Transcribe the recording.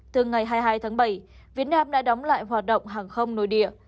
từ ngày hai mươi hai tháng bảy việt nam đã đóng lại hoạt động hàng không nội địa